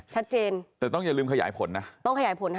ชัดเจนแต่ต้องอย่าลืมขยายผลนะต้องขยายผลค่ะ